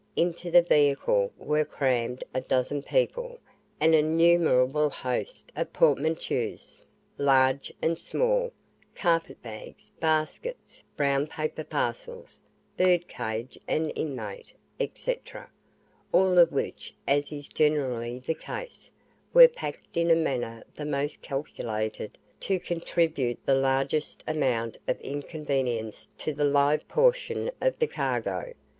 Into this vehicle were crammed a dozen people and an innumerable host of portmanteaus, large and small, carpet bags, baskets, brown paper parcels, bird cage and inmate, &c., all of which, as is generally the case, were packed in a manner the most calculated to contribute the largest amount of inconvenience to the live portion of the cargo.